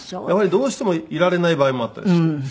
やはりどうしてもいられない場合もあったりして。